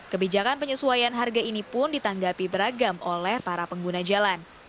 kebijakan penyesuaian harga ini pun ditanggapi beragam oleh para pengguna jalan